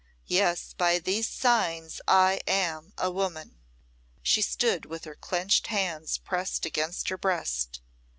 Yes, by these signs I am a woman!" She stood with her clenched hands pressed against her breast.